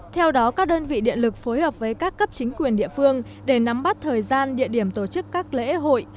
theo đó các đơn vị điện lực phối hợp với các cấp chính quyền địa phương để nắm bắt thời gian địa điểm tổ chức các lễ hội